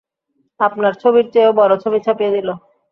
আপনার ছবির চেয়েও বড় ছবি ছাপিয়ে দিল।